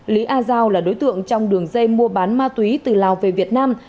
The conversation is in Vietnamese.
lý a giao là đối tượng trong đường dây mua bán ma túy từ lào về việt nam